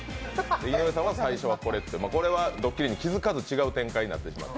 井上さんは、「最初はこれ」。これはどっきりに気づかず違う展開になってしましった。